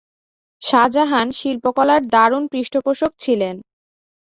শাহজাহান শিল্পকলার দারুণ পৃষ্ঠপোষক ছিলেন।